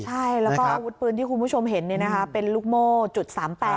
ใช่แล้วก็อาวุธปืนที่คุณผู้ชมเห็นเป็นลูกโม่จุด๓๘